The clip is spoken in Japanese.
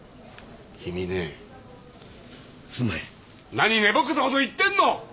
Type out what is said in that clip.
何寝ぼけたこと言ってんの！